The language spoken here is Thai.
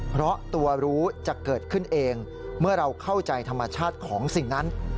เพราะตัวรู้จะเกิดขึ้นเองเมื่อเราเข้าใจธรรมชาติของสิ่งนั้น